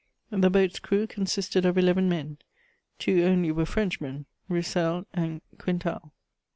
The boat's crew consisted of eleven men; two only were Frenchmen: Roussel and Quintal.